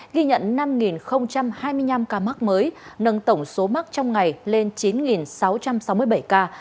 ghi nhận năm hai mươi năm ca mắc mới nâng tổng số mắc trong ngày lên chín sáu trăm sáu mươi bảy ca